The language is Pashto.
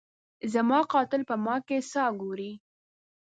زما قاتل په ما کي ساه ګوري